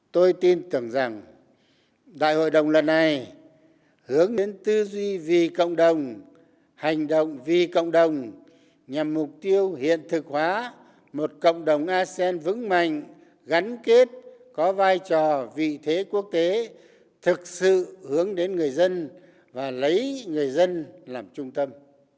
tôi tin tưởng rằng đại hội đồng lần này hướng đến tư duy vì cộng đồng hành động vì cộng đồng nhằm mục tiêu hiện thực hóa một cộng đồng asean vững mạnh gắn kết có vai trò vị thế quốc tế thực sự hướng đến người dân và lấy người dân làm trung tâm